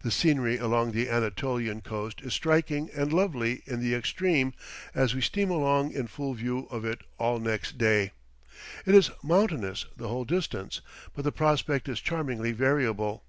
The scenery along the Anatolian coast is striking and lovely in the extreme as we steam along in full view of it all next day. It is mountainous the whole distance, but the prospect is charmingly variable.